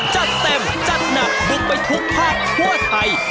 จัดเต็มจัดหนักบุกไปทุกภาคทั่วไทย